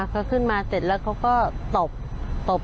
เสร็จแล้วเขาก็ตบ